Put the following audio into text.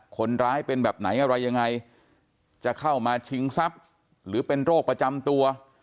คนร้ายเป็นแบบไหนอะไรยังไงจะเข้ามาชิงทรัพย์หรือเป็นโรคประจำตัว